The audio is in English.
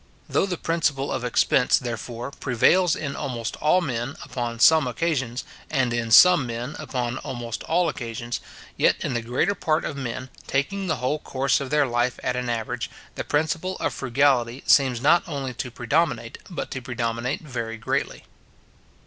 Though the principle of expense, therefore, prevails in almost all men upon some occasions, and in some men upon almost all occasions; yet in the greater part of men, taking the whole course of their life at an average, the principle of frugality seems not only to predominate, but to predominate very greatly.